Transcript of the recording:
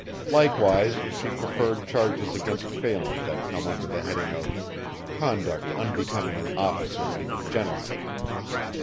Likewise she prefered charges against Phelan that come under the heading of "conduct unbecoming an officer and a gentleman."